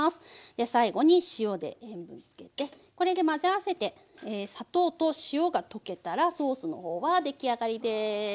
では最後に塩で塩分つけてこれで混ぜ合わせて砂糖と塩が溶けたらソースの方は出来上がりです。